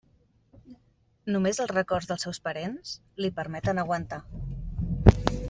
Només els records dels seus parents li permeten aguantar.